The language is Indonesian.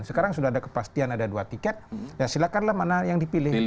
sekarang sudah ada kepastian ada dua tiket ya silakanlah mana yang dipilih